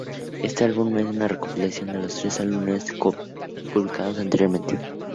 Este álbum es una recopilación de los tres álbumes publicados anteriormente.